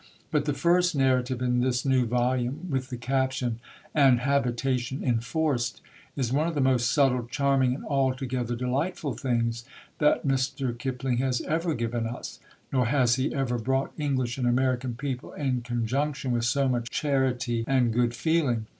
But the first narrative in this new volume, with the caption, An Habitation Enforced, is one of the most subtle, charming, and altogether delightful things that Mr. Kipling has ever given us; nor has he ever brought English and American people in conjunction with so much charity and good feeling.